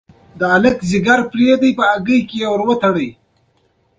آیا سلفر وروسته له سوځیدو څخه په قاشوغه کې لیدل کیږي؟